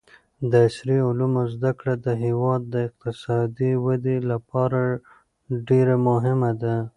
د عصري علومو زده کړه د هېواد د اقتصادي ودې لپاره ډېره مهمه ده.